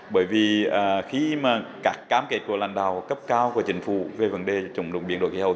bởi vì khi mà các cam kết của lãnh đạo cấp cao của chính phủ về vấn đề trụng lục biển đội khí hầu